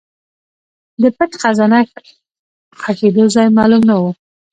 د پټ خزانه ښخېدو ځای معلوم نه و.